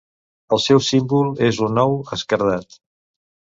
El seu símbol és un ou esquerdat.